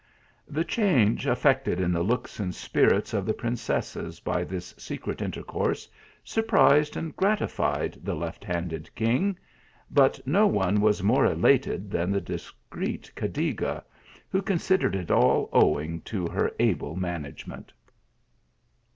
The change effected in the looks and spirits of the princesses by this secret intercourse, surprised and gratified the left handed king ; but no one was more elated than the discreet Cadiga, who consider ed it all owing to her able management.